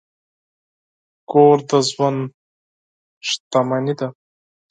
کور د ژوند شتمني ده.